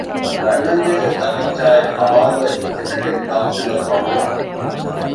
ގަންނަންޖެހޭ ތަކެއްޗާއި ޙަވާލުވެ އެތަކެތި ކައުންސިލަށް ފޮނުވުން.